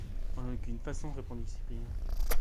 En aucune façon, répondit Cyprien.